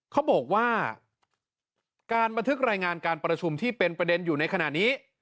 เขาบอกว่าการบันทึกรายงานการประชุมที่เป็นประเด็นอยู่ในขณะนี้